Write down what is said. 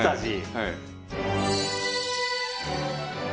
はい。